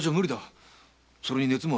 それに熱もある。